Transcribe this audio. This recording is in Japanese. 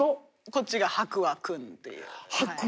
こっちが博愛君っていう。